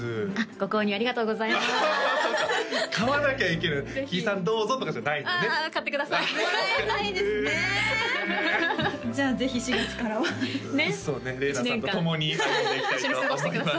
ご購入ありがとうございます買わなきゃいけないキイさんどうぞとかじゃないんだね買ってくださいもらえないですねじゃあぜひ４月からはそうねれいなさんと共に歩んでいきたいと一緒に過ごしてください